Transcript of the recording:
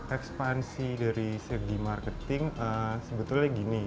ekspansi dari segi marketing sebetulnya gini